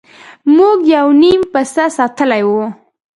موږ یو نیم پسه ساتلی وي.